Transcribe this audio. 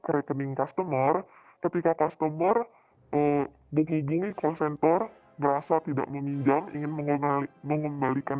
ke rekening customer ketika customer bumi bumi call center merasa tidak meminjam ingin mengembalikan